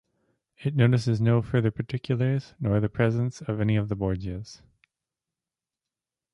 It notices no further particulars nor the presence of any of the Borgias.